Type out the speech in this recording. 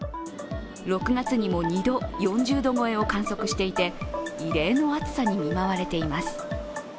６月にも２度、４０度超えを観測していて異例の暑さに見舞われています。